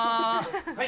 はい。